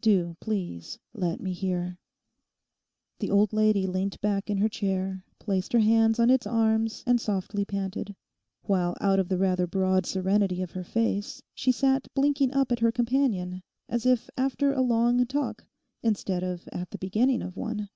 Do please let me hear.' The old lady leant back in her chair, placed her hands on its arms and softly panted, while out of the rather broad serenity of her face she sat blinking up at her companion as if after a long talk, instead of at the beginning of one.